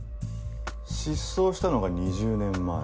失踪したのが２０年前。